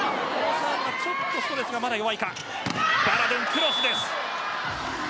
バラドゥンのクロスです。